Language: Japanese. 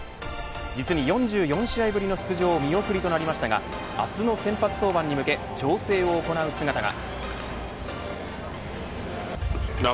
実に４４試合ぶりの出場見送りとなりましたが明日の先発登板に向け調整を行う姿が。